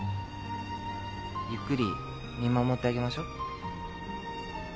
ゆっくり見守ってあげましょ。